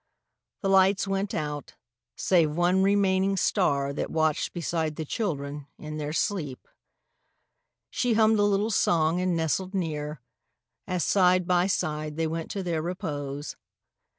The lights went out, save one remaining star That watched beside the children in their sleep. She hummed a little song and nestled near, As side by side they went to their repose.